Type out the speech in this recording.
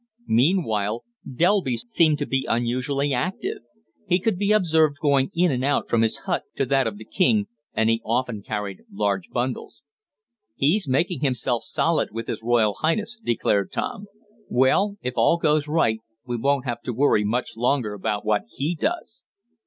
Meanwhile Delby seemed to be unusually active. He could be observed going in and out from his hut to that of the king, and he often carried large bundles. "He's making himself solid with his royal highness," declared Tom. "Well, if all goes right, we won't have to worry much longer about what he does."